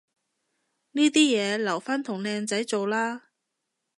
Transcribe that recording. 呢啲嘢留返同靚仔做啦